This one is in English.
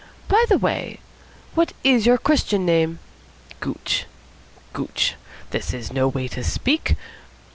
By the way, what is your Christian name? ... Gooch, Gooch, this is no way to speak!